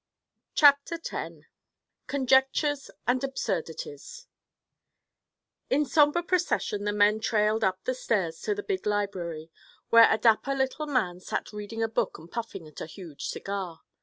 CHAPTER X—CONJECTURES AND ABSURDITIES In somber procession the men trailed up the stairs to the big library, where a dapper little man sat reading a book and puffing at a huge cigar.